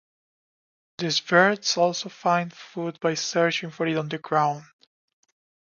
These birds also find food by searching for it on the ground.